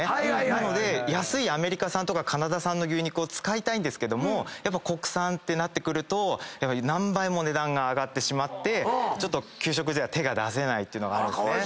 なので安いアメリカ産とかカナダ産の牛肉を使いたいんですけども国産ってなってくると何倍も値段が上がってしまって給食では手が出せないっていうのがあるんですね。